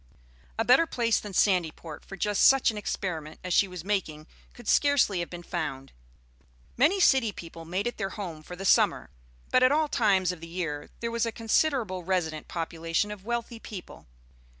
A better place than Sandyport for just such an experiment as she was making could scarcely have been found. Many city people made it their home for the summer; but at all times of the year there was a considerable resident population of wealthy people.